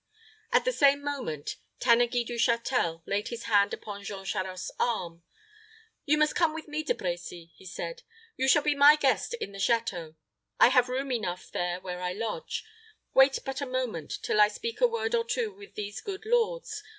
At the same moment, Tanneguy du Châtel laid his hand upon Jean Charost's arm: "You must come with me, De Brecy," he said. "You shall be my guest in the château. I have room enough there where I lodge. Wait but a moment till I speak a word or two with these good lords.